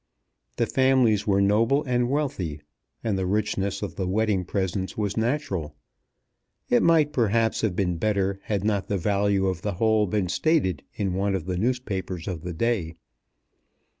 The families were noble and wealthy, and the richness of the wedding presents was natural. It might perhaps have been better had not the value of the whole been stated in one of the newspapers of the day.